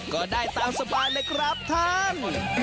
ก็ได้ตามสบายเลยครับท่าน